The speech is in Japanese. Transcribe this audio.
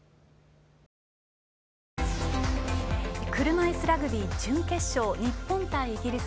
車いすラグビー準決勝日本対イギリス。